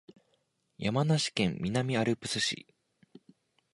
山梨県南アルプス市